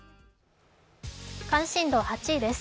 関心度８位です。